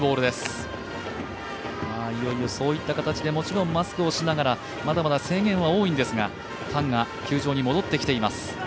いよいよそういった形で、もちろんマスクをしながらまだまだ制限は多いんですが、ファンが球場に戻ってきています。